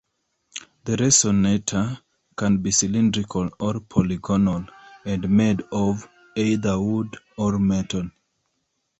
The resonator can be cylindrical or polygonal and made of either wood or metal.